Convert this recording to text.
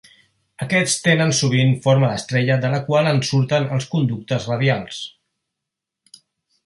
Aquests tenen sovint forma d'estrella de la qual en surten els conductes radials.